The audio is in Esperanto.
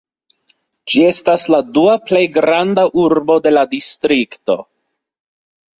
Ĝi estas la dua plej granda urbo de la distrikto.